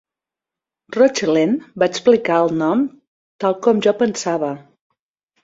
Rochlen va explicar el nom tal com jo pensava.